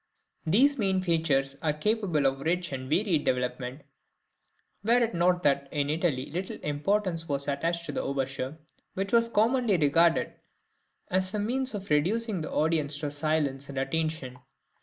These main features were capable of rich and varied development, were it not that in Italy little importance was attached to the overture, which was commonly regarded as a {OPERA SERIA.} (166) means of reducing the audience to silence and attention.